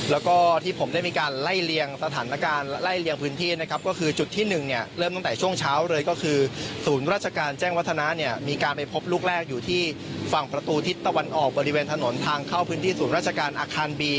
แล้วก็ที่ผมได้มีการไล่เลียงสถานการณ์ไล่เลียงพื้นที่นะครับก็คือจุดที่๑เนี่ยเริ่มตั้งแต่ช่วงเช้าเลยก็คือศูนย์ราชการแจ้งวัฒนาเนี่ยมีการไปพบลูกแรกอยู่ที่ฝั่งประตูทิศตะวันออกบริเวณถนนทางเข้าพื้นที่ศูนย์ราชการอาคารบี